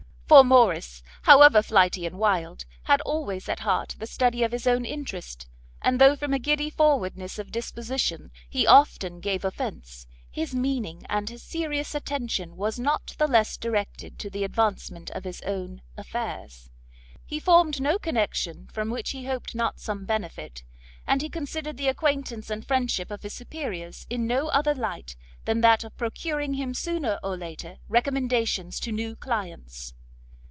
For Morrice, however flighty, and wild, had always at heart the study of his own interest; and though from a giddy forwardness of disposition he often gave offence, his meaning and his serious attention was not the less directed to the advancement of his own affairs; he formed no connection from which he hoped not some benefit, and he considered the acquaintance and friendship of his superiors in no other light than that of procuring him sooner or later recommendations to new clients.